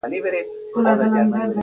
کوربه د ښایسته روحيې خاوند وي.